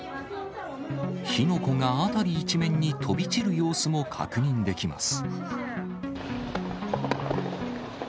火の粉が辺り一面に飛び散る様子も確認できます。